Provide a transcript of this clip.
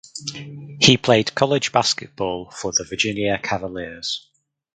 He played college basketball for the Virginia Cavaliers.